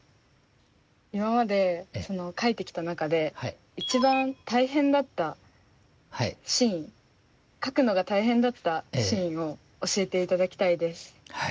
今まで描いてきた中で一番大変だったシーン描くのが大変だったシーンを教えて頂きたいです。